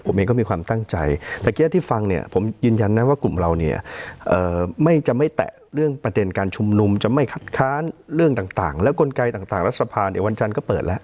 ไม่จะไม่แตะเรื่องประเด็นการชุมนุมจะไม่ขัดค้านเรื่องต่างแล้วกลไกลต่างแล้วสภาเดี๋ยววันจันทร์ก็เปิดแล้ว